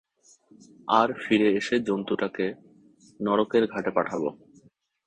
আর ফিরে এসে জন্তুটাকে নরকের ঘাটে পাঠাবো।